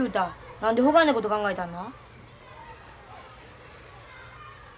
何でほがいなこと考えたんな？